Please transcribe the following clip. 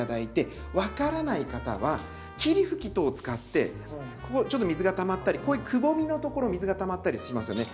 分からない方は霧吹き等を使ってここちょっと水がたまったりこういうくぼみのところ水がたまったりしますよね。